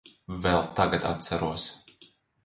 Vēl tagad atceros.